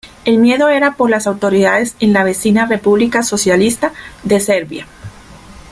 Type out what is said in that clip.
El miedo era por las autoridades en la vecina República Socialista de Serbia.